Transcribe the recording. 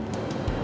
nanti aku nungguin